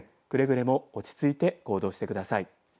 くれぐれも落ち着いて行動してください。